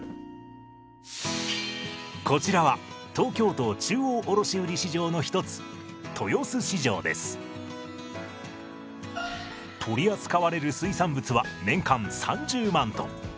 こちらは東京都中央卸売市場の一つ取り扱われる水産物は年間３０万トン。